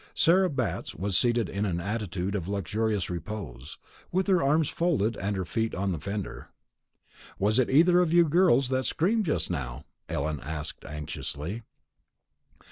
Sarah Batts was seated in an attitude of luxurious repose, with her arms folded, and her feet on the fender. "Was it either of you girls that screamed just now?" Ellen asked anxiously.